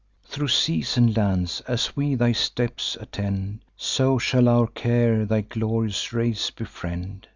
Thro' seas and lands as we thy steps attend, So shall our care thy glorious race befriend.